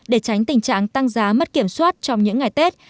để tránh tình trạng tăng giá mất kiểm soát trong những ngày tết